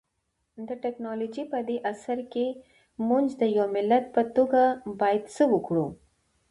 د ټکنالوژۍ پدې عصر کي مونږ د يو ملت په توګه بايد څه وکړو؟